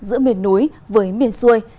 giữa miền núi với miền xuôi